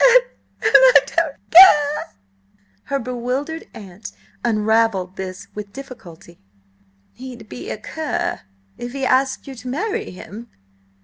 Her bewildered aunt unravelled this with difficulty. "He'd be a cur if he asked you to marry him?"